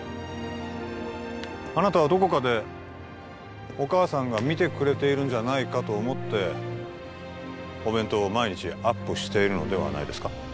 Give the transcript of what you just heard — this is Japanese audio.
あなたはどこかでお母さんが見てくれているんじゃないかと思ってお弁当を毎日アップしているのではないですか？